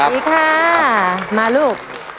สวัสดีค่ะมาลูก